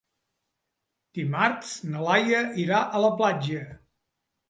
Dimarts na Laia irà a la platja.